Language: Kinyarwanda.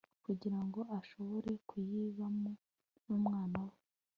kugira ngo ashobore kuyibamo n'umwana we